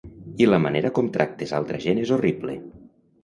I la manera com tractes altra gent és horrible.